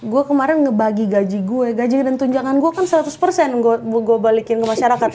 gue kemarin bawain gaji gue gaji dan tenjangan gue kan seratus turun ke masyarakat